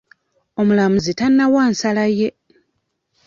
Omulamuzi tannawa nsala ye.